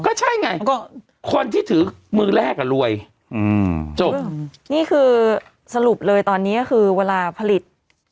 ก็ใช่ไงคนที่ถือมือแรกอ่ะรวยอืมจบนี่คือสรุปเลยตอนนี้ก็คือเวลาผลิต